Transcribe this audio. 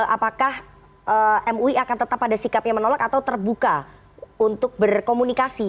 apakah mui akan tetap ada sikapnya menolak atau terbuka untuk berkomunikasi